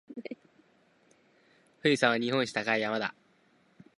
富士山は日本一高い山だ。